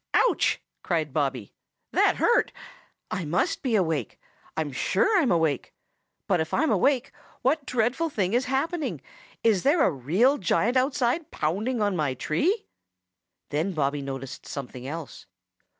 "Ouch!" cried Bobby. "That hurt. I must be awake. I'm sure I'm awake. But if I'm awake, what dreadful thing is happening? Is there a real giant outside pounding on my tree?" Then Bobby noticed something else.